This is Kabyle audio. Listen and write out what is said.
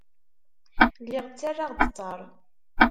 Lliɣ ttarraɣ-d ttaṛ.